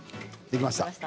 できましたか？